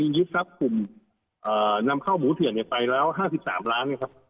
ยึดทรัพย์กลุ่มนำเข้าหมูเถื่อนไปแล้ว๕๓ล้านนะครับ